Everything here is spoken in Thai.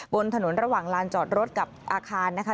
บนถนนระหว่างลานจอดรถกับอาคารนะคะ